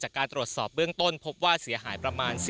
จากการตรวจสอบเบื้องต้นพบว่าเสียหายประมาณ